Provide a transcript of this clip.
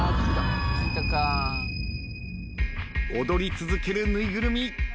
踊り続ける縫いぐるみ。